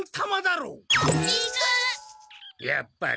やっぱり。